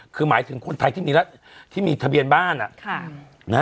คือหมายถึงคนไทยที่มีทะเบียนบ้าน